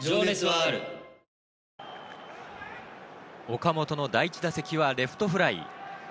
岡本の第１打席はレフトフライ。